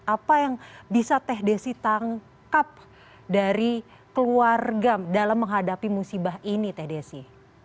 apa yang bisa teh desi tangkap dari keluarga dalam menghadapi musibah ini teh desi